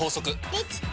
できた！